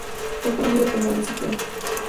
Fue conocido como "el Ciclón".